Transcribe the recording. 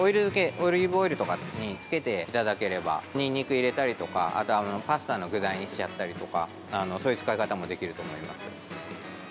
オリーブオイルとかに漬けていただければにんにく入れたりとかパスタの具材にしちゃったりとかそういう使い方もできると思います。